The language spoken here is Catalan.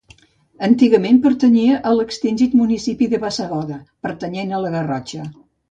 Antigament pertanyia a l'extingit municipi de Bassegoda, pertanyent a la Garrotxa.